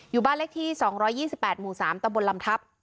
อยู่บ้านเลขที่๒๒๘หมู่๓ตำบลลำทับ